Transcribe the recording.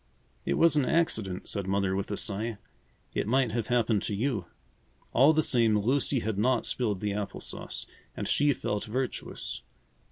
"It was an accident," said Mother with a sigh. "It might have happened to you." All the same, Lucy had not spilled the apple sauce, and she felt virtuous.